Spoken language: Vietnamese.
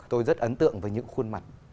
tôi rất ấn tượng với những khuôn mặt